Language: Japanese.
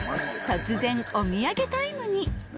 突然お土産タイムに。